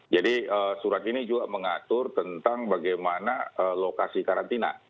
jadi surat ini juga mengatur tentang bagaimana lokasi karantina